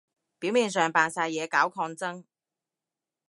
表面上扮晒嘢搞抗爭